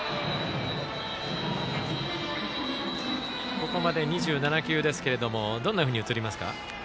ここまで２７球ですけれどもどんなふうに映りますか？